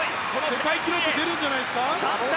世界記録出るんじゃないですか。